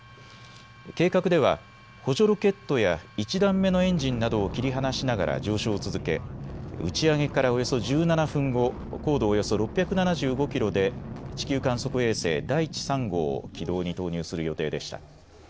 計画では補助ロケットや１段目のエンジンなどを切り離しながら上昇を続け打ち上げからおよそ１７分後、高度およそ６７５キロで地球観測衛星だいち３号を軌道に投入する予定でした。